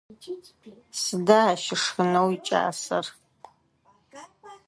Сыда ащ ышхынэу икӏасэр?